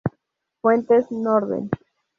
Fuentes: Norden